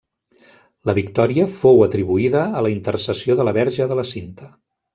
La victòria fou atribuïda a la intercessió de la Verge de la Cinta.